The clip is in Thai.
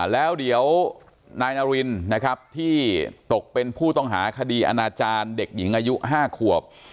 แล้วเดี๋ยวนายนารินนะครับที่ตกเป็นผู้ต้องหาคดีอนาจารย์เด็กหญิงอายุ๕ขวบ